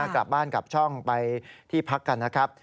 กลับบ้านกลับช่องไปที่พักกันนะครับ